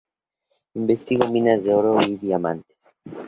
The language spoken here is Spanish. Investigó minas de oro y de diamantes.